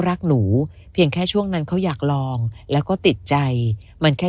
รักหนูเพียงแค่ช่วงนั้นเขาอยากลองแล้วก็ติดใจมันแค่